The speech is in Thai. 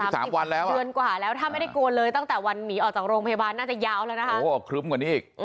๓๐เดือนกว่าแล้วถ้าไม่ได้โกนเลยตั้งแต่วันหนีออกจากโรงพยาบาลน่าจะยาวแล้วนะฮะ